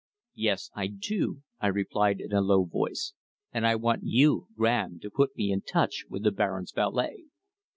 "Yes, I do," I replied in a low voice, "and I want you, Graham, to put me in touch with the Baron's valet."